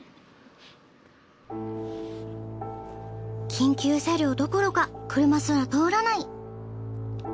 緊急車両どころか車すら通らない。